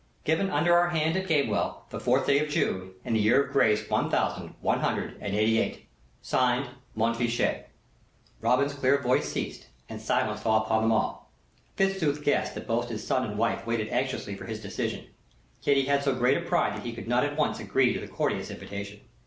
"Given under our hand at Gamewell, the 4th day of June, in the year of grace one thousand one hundred and eighty eight. "(Signed) MONTFICHET." Robin's clear voice ceased, and silence fell upon them all. Fitzooth guessed that both his son and wife waited anxiously for his decision; yet he had so great a pride that he could not at once agree to the courteous invitation.